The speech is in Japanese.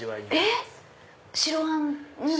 えっ白あんの中に？